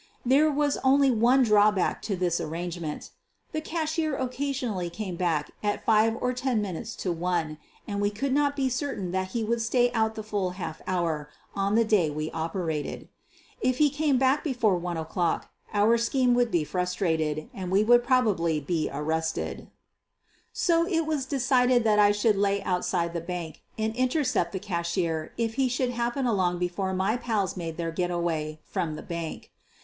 There was only one drawback to this arrange ment — the cashier occasionally came back at five or ten minutes to one, and we could not be certain that he would stay out the full half hour on the day we operated. If he came back before 1 o'clock our scheme would be frustrated and we would probably be arrested. So it was decided that I should lay outside the bank and intercept the cashier if he should happen along before my pals made their get away from the bank.